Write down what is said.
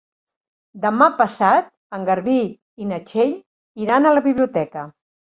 Demà passat en Garbí i na Txell iran a la biblioteca.